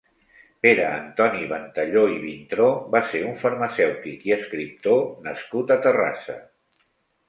Pere Antoni Ventalló i Vintró va ser un farmacèutic i escriptor nascut a Terrassa.